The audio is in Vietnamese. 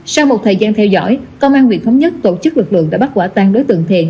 sau một thời gian theo dõi công an huyện thống nhất tổ chức lực lượng đã bắt quả tang đối tượng thiện